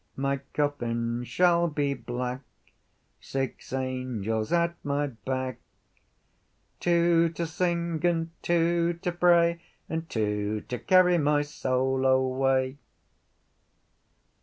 My coffin shall be black, Six angels at my back, Two to sing and two to pray And two to carry my soul away.